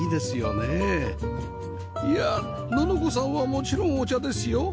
いや乃々子さんはもちろんお茶ですよ